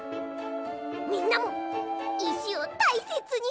みんなもいしをたいせつにしようね。